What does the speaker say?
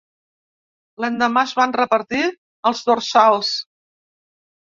L'endemà, es van repartir els dorsals.